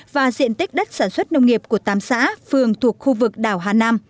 và diện tích đất sản xuất nông nghiệp của tám xã phường thuộc khu vực đảo hà nam